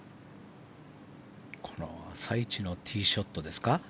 この朝一のティーショットですか。